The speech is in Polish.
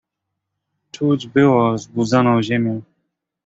"Czuć było zbudzoną ziemię."